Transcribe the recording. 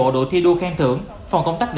để lan tỏa sâu rộng